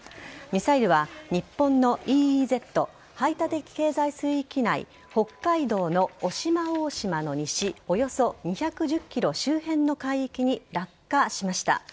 ミサイルは日本のＥＥＺ＝排他的経済水域内北海道の渡島大島の西およそ２１０ｋｍ周辺の海域に落下しました。